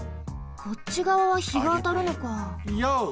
こっちがわはひがあたるのか。